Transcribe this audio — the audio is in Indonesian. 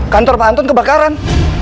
kantor pak anton kebakaran